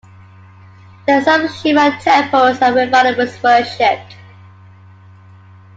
There are some Shiva temples where Ravana is worshipped.